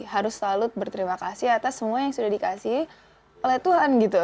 harus selalu berterima kasih atas semua yang sudah dikasih oleh tuhan gitu